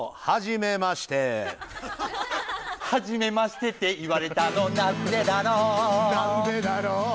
「はじめましてって言われたのなんでだろう」